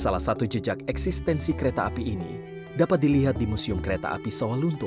salah satu jejak eksistensi kereta api ini dapat dilihat di museum kereta api sawah lunto